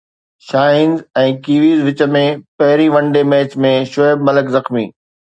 Shaheens ۽ Kiwis وچ ۾ پهرئين one day match ۾ Shoaib Malik زخمي